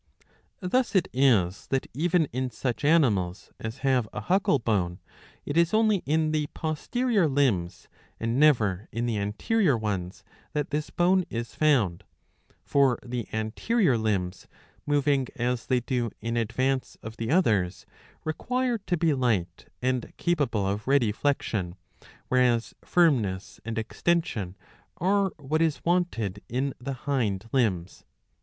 Thus it is that even in such animals as have a huckle bone, it "is only in the posterior limbs and never in the anterior ones that this bone is foundn For the anterior limbs, moving as they do in advance of the others, require' to be light and capable of ready flexion, whereas firmness and extension are what is wanted in the hind limbs.